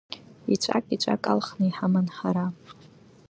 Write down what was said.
Еҵәак-еҵәак алхны иҳаман ҳара.